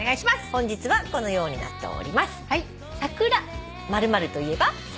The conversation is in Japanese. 本日はこのようになっております。